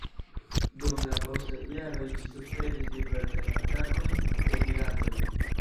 Dum la postaj jaroj ĝi suferis diversajn atakojn de piratoj.